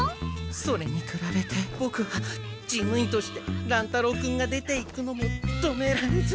それにくらべてボクは事務員として乱太郎君が出ていくのも止められず。